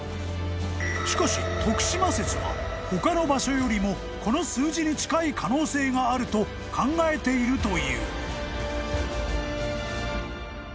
［しかし徳島説は他の場所よりもこの数字に近い可能性があると考えているという］